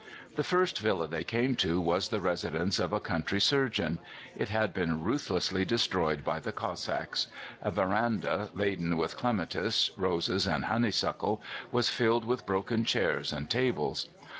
The first villa they came to was the residence of a country surgeon. It had been ruthlessly destroyed by the Cossacks. A veranda, laden with clematis, roses, and honeysuckle, was filled with broken chairs and tables.